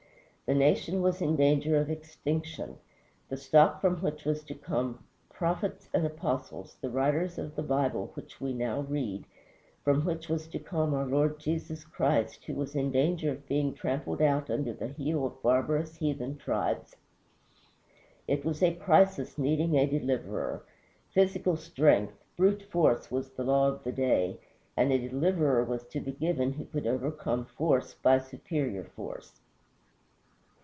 The nation was in danger of extinction. The stock from which was to come prophets and apostles, the writers of the Bible which we now read, from which was to come our Lord Jesus Christ, was in danger of being trampled out under the heel of barbarous heathen tribes. It was a crisis needing a deliverer. Physical strength, brute force, was the law of the day, and a deliverer was to be given who could overcome force by superior force.